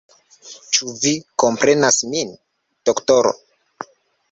Ĉu vi komprenas min, doktoro?